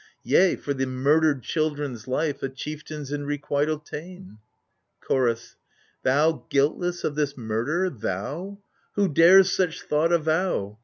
— Yea, for the murdered children's life, A chieftain's in requital ta'en. Chorus Thou guiltless of this murder, thou I Who dares such thought avow